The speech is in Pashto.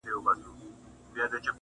بل ځوان وايي موږ بايد له دې ځایه لاړ سو,